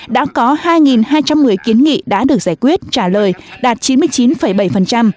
đã có hai hai trăm một mươi kiến nghị đã được giải quyết trả lời đạt chín mươi chín bảy